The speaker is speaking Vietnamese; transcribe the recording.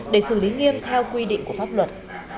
để xử lý nghiêm theo quy định của pháp luật